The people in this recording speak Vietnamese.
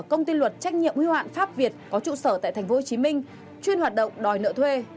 công tin luật trách nhiệm huy hoạn pháp việt có trụ sở tại tp hcm chuyên hoạt động đòi nợ thuê